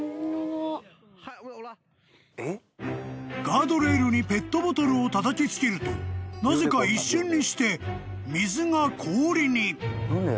［ガードレールにペットボトルをたたきつけるとなぜか一瞬にして水が氷に］